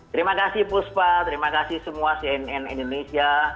terima kasih puspa terima kasih semua cnn indonesia